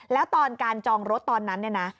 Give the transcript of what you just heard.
แล้วตอนการจองรถตอนนั้นเนี่ยนะ